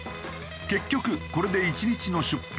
結局これで１日の出費